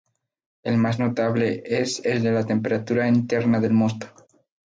El más notable es el de la temperatura interna del mosto.